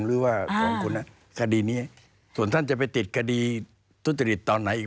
หรือว่าของคุณคดีนี้ส่วนท่านจะไปติดคดีทุจริตตอนไหนอีก